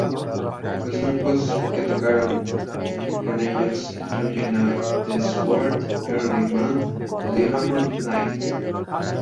Los grupos que tocaron con ellos incluyen The Sword, Early Man o Diamond Nights.